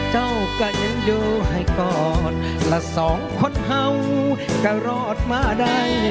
เจ้าก็ยังอยู่ให้กอดและสองคนเห่าก็รอดมาได้